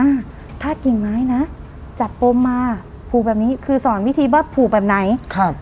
พาดกิ่งไม้นะจับปมมาผูกแบบนี้คือสอนวิธีว่าผูกแบบไหนครับ